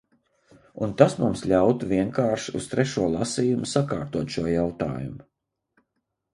Un tas mums ļautu vienkārši uz trešo lasījumu sakārtot šo jautājumu.